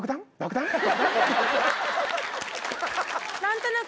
何となく。